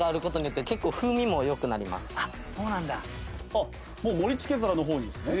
あっもう盛り付け皿の方にですね。